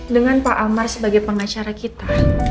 dengan pak amar sebagai pengacara kita